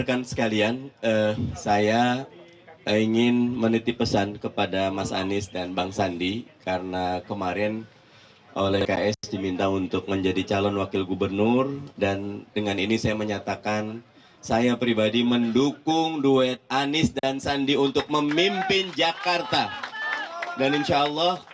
assalamualaikum warahmatullahi wabarakatuh